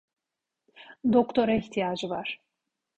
Doktora ihtiyacı var.